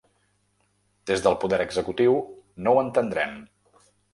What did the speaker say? Des del poder executiu no ho entendrem.